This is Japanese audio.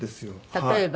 例えば？